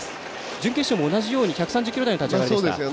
準決勝も同じように１３０キロの立ち上がりでした。